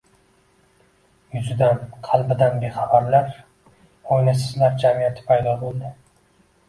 Yuzidan, qalbidan bexabarlar – oynasizlar jamiyati paydo bo‘ldi.